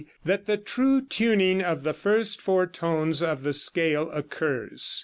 that the true tuning of the first four tones of the scale occurs.